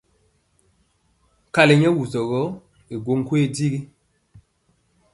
Nkali nyɛ wusɔ gɔ i go nkoye digi.